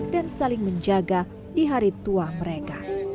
dan saling menjaga di hari tua mereka